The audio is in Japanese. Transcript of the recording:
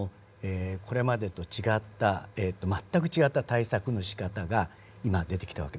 これまでと違った全く違った対策のしかたが今出てきた訳ですね。